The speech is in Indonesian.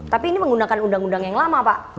tapi ini menggunakan undang undang yang lama pak